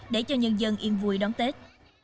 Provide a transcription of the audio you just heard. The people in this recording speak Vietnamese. để cho nhân dân yên vui đón tết